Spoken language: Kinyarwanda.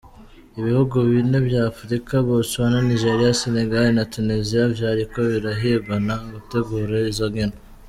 Ibihugu bine vya Afrika - Botswana, Nigeria, Senegal na Tunisia - vyariko birahiganwa gutegura izo nkino.